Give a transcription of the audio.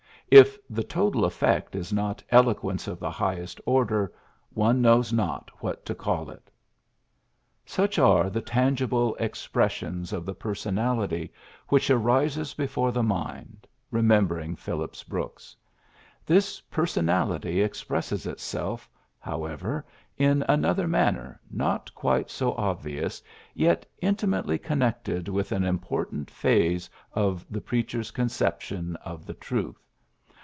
If the total efifect is not eloquence of the highest order, one knows not what to call it. Such are the tangible expressions of the personality which rises before the mind, remembering Phillips Brooks. This personality expresses itself, how ever, in another manner not quite so obvious, yet intimately connected with an important phase of the preacher's conception of the truth.